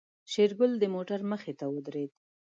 شېرګل د موټر مخې ته ودرېد.